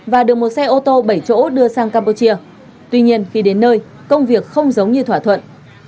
và được một xe ô tô bảy chỗ đưa sang campuchia tuy nhiên khi đến nơi công việc không giống như thỏa thuận